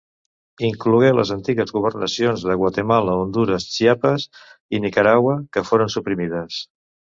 Inclogué les antigues governacions de Guatemala, Hondures, Chiapas i Nicaragua, que foren suprimides.